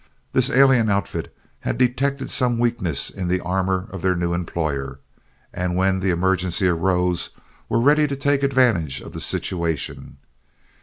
This alien outfit had detected some weakness in the armor of their new employer, and when the emergency arose, were ready to take advantage of the situation.